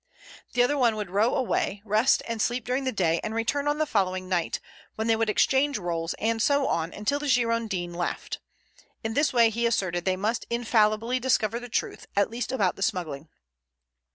The other one would row away, rest and sleep during the day, and return on the following night, when they would exchange roles, and so on until the Girondin left. In this way, he asserted, they must infallibly discover the truth, at least about the smuggling.